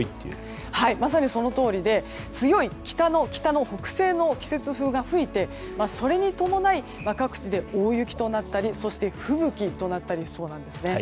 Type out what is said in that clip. まさにそのとおりで強い北の北の北西の季節風が吹いてそれに伴い各地で大雪となったりそして、吹雪となったりしそうなんですね。